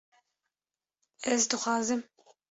Ez dixwazim